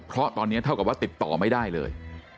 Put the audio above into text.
เพราะตอนนี้เท่ากับว่าติดต่อไม่ได้เลย